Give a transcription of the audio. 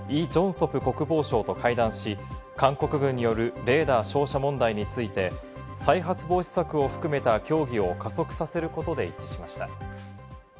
浜田防衛大臣は、訪問先のシンガポールで韓国のイ・ジョンソプ国防相と会談し、韓国軍によるレーダー照射問題について再発防止策を含めた協議を加速させることで一致しました。